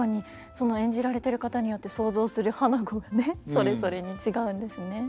その演じられてる方によって想像する花子がねそれぞれに違うんですね。